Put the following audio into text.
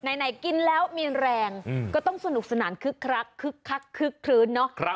ไหนกินแล้วมีแรงก็ต้องสนุกสนานคึกคักคึกคักคึกคลื้นเนาะ